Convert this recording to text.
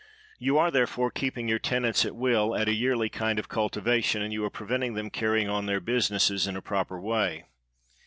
You are, therefore, keeping your ten ants at will at a yearly kind of cultivation, and you are preventing them carrying on their busi nesses in a proper way.